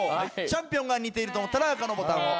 チャンピオンが似ていると思ったら赤のボタンを。